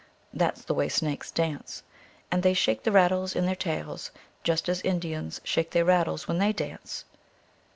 That s the way snakes dance. And they shake the rattles in their tails just as Indians shake their rattles when they dance.